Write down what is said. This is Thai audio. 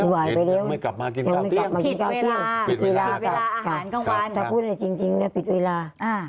ยังไม่กลับมากินข้าวเที่ยงยังไม่กลับมากินข้าวเที่ยงพิดเวลาพิดเวลาพิดเวลาอาหารกลางวันครับถ้าพูดจริงจริงเนี่ยพิดเวลาอ่า